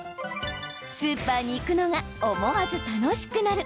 スーパーに行くのが思わず楽しくなる！